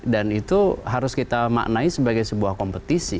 dan itu harus kita maknai sebagai sebuah kompetisi